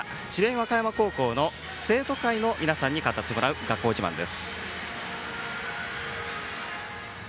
和歌山の生徒会の皆さんに語ってもらう学校自慢です。